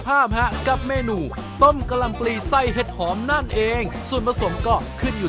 อ๋อเพราะเราไม่ได้มีน้ำเต้นกระดูกหรือไหมอ๋อเพราะว่าเราไม่มีกระดูกหมู